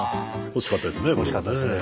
欲しかったですね。